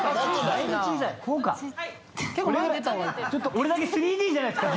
俺だけ３Ｄじゃないですか？